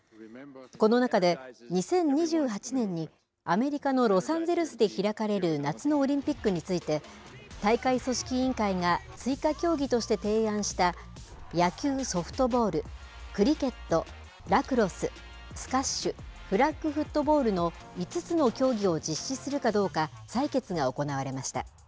この中で、２０２８年にアメリカのロサンゼルスで開かれる夏のオリンピックについて、大会組織委員会が、追加競技として提案した野球・ソフトボール、クリケット、ラクロス、スカッシュ、フラッグフットボールの５つの競技を実施するかどうか採決が行われました。